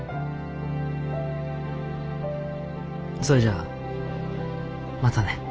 それじゃあまたね。